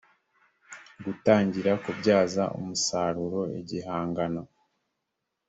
gutangira kubyaza umusaruro igihangano